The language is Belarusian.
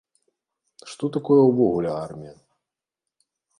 Што такое ўвогуле армія?